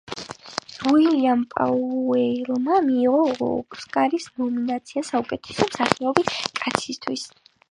უილიამ პაუელმა მიიღო ოსკარის ნომინაცია საუკეთესო მსახიობი კაცისთვის.